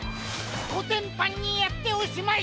こてんぱんにやっておしまい！